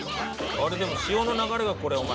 あれでも潮の流れがこれお前。